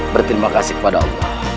berterima kasih kepada allah